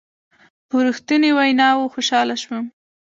په رښتنوني ویناوو خوشحاله شوم.